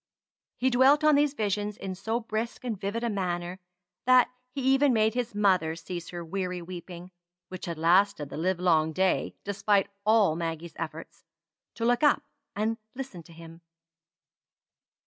He dwelt on these visions in so brisk and vivid a manner, that he even made his mother cease her weary weeping (which had lasted the livelong day, despite all Maggie's efforts) to look up and listen to him.